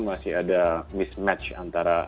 masih ada mismatch antara